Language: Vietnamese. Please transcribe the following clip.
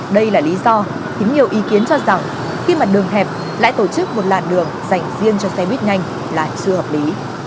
đây là lý do khiến nhiều ý kiến cho rằng khi mặt đường hẹp lại tổ chức một làn đường dành riêng cho xe buýt nhanh là chưa hợp lý